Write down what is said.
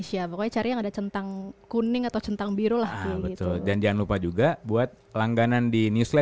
siapa mau mulai dulu